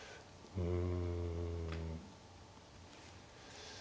うん。